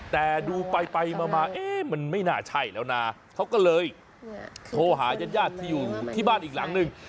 แต่ดูไปไปมาเอ๊ะมันไม่น่าใช่แล้วนะเขาก็เลยโทรหายาดที่อยู่ที่บ้านอีกหลังนึง